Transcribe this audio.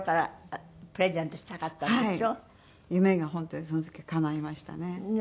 夢が本当にその時はかないましたね。